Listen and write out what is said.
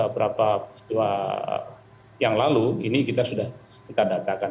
berapa dua yang lalu ini kita sudah kita datakan